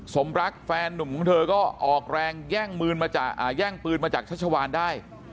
สมรักแฟนนุ่มของเธอก็ออกแรงแย่งปืนมาจากแย่งปืนมาจากชัชวานได้